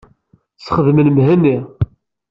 Sxedmen Mhenni.